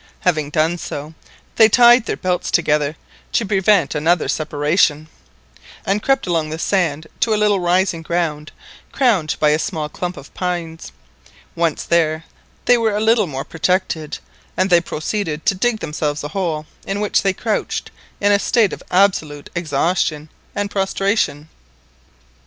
Having done so, they tied their belts together to prevent another separation, and crept along the sand to a little rising ground crowned by a small clump of pines. Once there they were a little more protected, and they proceeded to dig themselves a hole, in which they crouched in a state of absolute exhaustion and prostration.